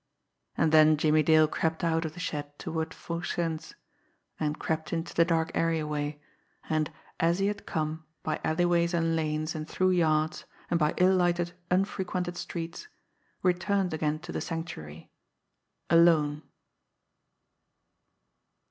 And then Jimmie Dale crept out of the shed toward Foo Sen's, and crept into the dark areaway, and, as he had come, by alleyways and lanes, and through yards, and by ill lighted, unfrequented streets, returned again to the Sanctuary alone.